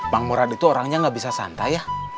bang murad itu orangnya gak bisa santai ya